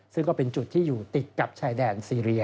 ซึ่งก็เป็นจุดที่อยู่ติดกับชายแดนซีเรีย